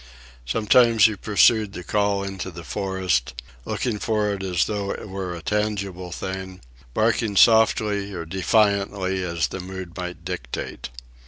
Sometimes he pursued the call into the forest, looking for it as though it were a tangible thing, barking softly or defiantly, as the mood might dictate.